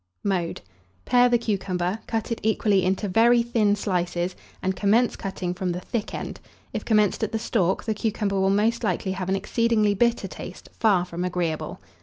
Mode. Pare the cucumber, cut it equally into very thin slices, and commence cutting from the thick end; if commenced at the stalk, the cucumber will most likely have an exceedingly bitter taste, far from agreeable.